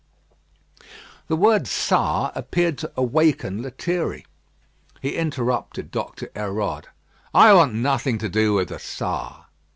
The word Czar appeared to awaken Lethierry. He interrupted Dr. Hérode. "I want nothing to do with the Czar."